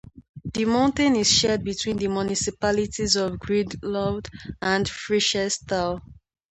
The mountain is shared between the municipalities of Grindelwald and Fieschertal.